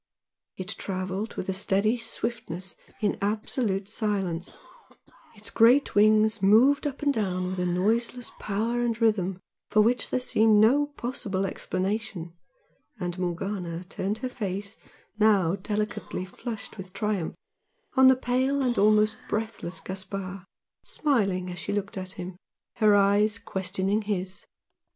It travelled with a steady swiftness in absolute silence, its great wings moved up and down with a noiseless power and rhythm for which there seemed no possible explanation, and Morgana turned her face, now delicately flushed with triumph, on the pale and almost breathless Gaspard, smiling as she looked at him, her eyes questioning his.